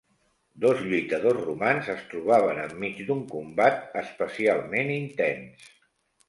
Dos lluitadors romans es trobaven enmig d'un combat especialment intens.